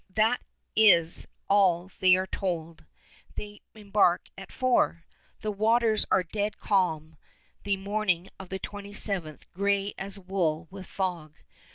That is all they are told. They embark at four. The waters are dead calm, the morning of the 27th gray as wool with fog.